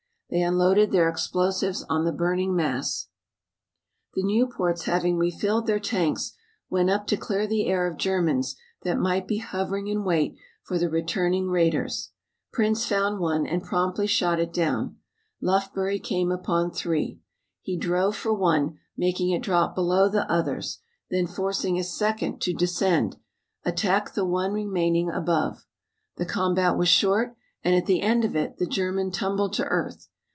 They unloaded their explosives on the burning mass. The Nieuports having refilled their tanks went up to clear the air of Germans that might be hovering in wait for the returning raiders. Prince found one and promptly shot it down. Lufbery came upon three. He drove for one, making it drop below the others, then forcing a second to descend, attacked the one remaining above. The combat was short and at the end of it the German tumbled to earth.